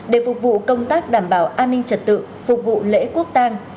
để phục vụ công tác đảm bảo an ninh trật tự phục vụ lễ quốc tàng